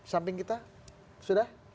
samping kita sudah